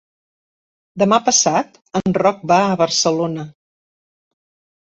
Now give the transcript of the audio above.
Demà passat en Roc va a Barcelona.